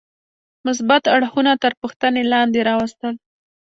مثبت اړخونه تر پوښتنې لاندې راوستل.